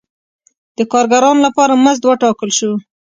د کارګرانو لپاره مزد وټاکل شو.